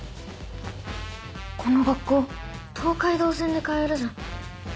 この学校東海道線で通えるじゃん。